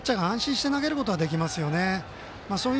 ピッチャーが安心して投げることができますね。